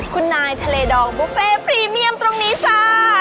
คุณนายทะเลดองบุฟเฟ่พรีเมียมตรงนี้จ้า